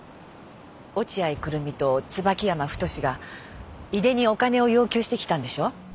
落合久瑠実と椿山太が井出にお金を要求してきたんでしょ？